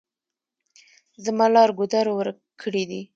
زما لار ګودر ورک کړي دي.